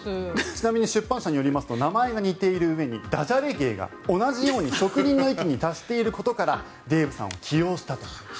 ちなみに出版社によりますと名前が似ているうえにだじゃれ芸が同じように職人の域に達していることからデーブさんを起用したと。